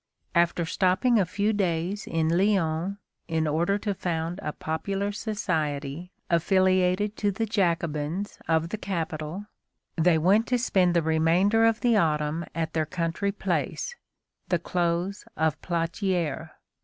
After stopping a few days in Lyons, in order to found a popular society affiliated to the Jacobins of the capital, they went to spend the remainder of the autumn at their country place, the Close of Platière.